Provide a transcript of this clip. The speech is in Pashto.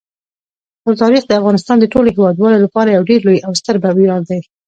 تاریخ د افغانستان د ټولو هیوادوالو لپاره یو ډېر لوی او ستر ویاړ دی.